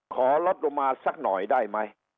ขอลดลงมาสักหน่อยได้ไหม